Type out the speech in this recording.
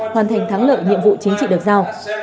hoàn thành thắng lợi nhiệm vụ chính trị được giao